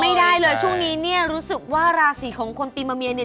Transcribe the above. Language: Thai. ไม่ได้เลยช่วงนี้เนี่ยรู้สึกว่าราศีของคนปีมะเมียเนี่ย